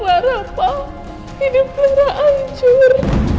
kenapa hidup clara hancur